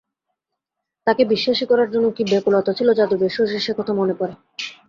তাকে বিশ্বাসী করার জন্য কী ব্যাকুলতা ছিল যাদবের, শশীর সেকথা মনে পড়ে।